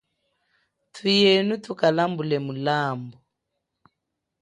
Thuyenu thukalambule mulambu.